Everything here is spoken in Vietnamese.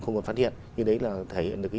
không còn phát hiện nhưng đấy là thể hiện được